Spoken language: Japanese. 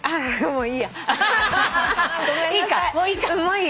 もういいかい？